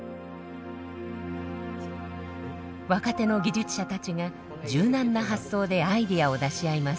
若手の技術者たちが柔軟な発想でアイデアを出し合います。